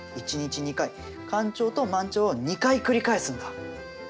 １日２回干潮と満潮を２回繰り返すんだ。